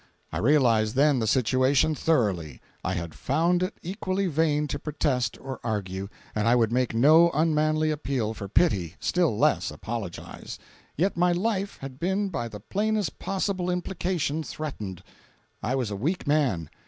I realized then the situation thoroughly. I had found it equally vain to protest or argue, and I would make no unmanly appeal for pity, still less apologize. Yet my life had been by the plainest possible implication threatened. I was a weak man.